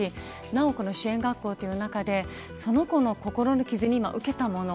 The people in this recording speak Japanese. なお、この支援学校という中でその子の心の傷に受けたもの。